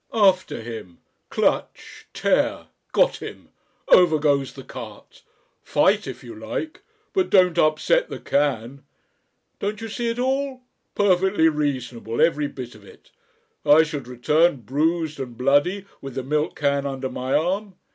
After him! Clutch tear! Got him! Over goes the cart! Fight if you like, but don't upset the can!... Don't you see it all? perfectly reasonable every bit of it. I should return, bruised and bloody, with the milk can under my arm.